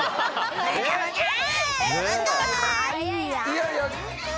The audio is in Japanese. いやいや。